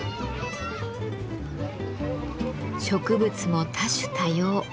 植物も多種多様。